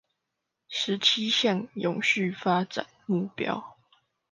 十七項永續發展目標